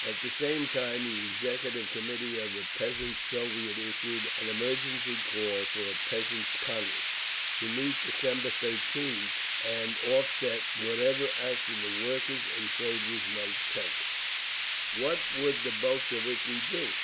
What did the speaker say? At the same time the Executive Committee of the Peasants' Soviets issued an emergency call for a Peasants' Congress, to meet December 13th and offset whatever action the workers and soldiers might take… What would the Bolsheviki do?